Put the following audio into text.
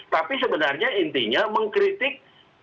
tapi sebenarnya intinya mengkritik